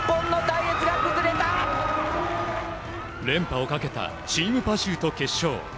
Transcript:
連覇をかけたチームパシュート決勝。